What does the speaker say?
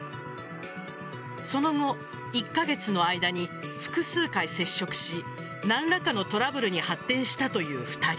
その後１カ月の間に複数回接触し何らかのトラブルに発展したという２人。